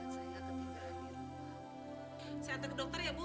saya ketika ke dokter ya bu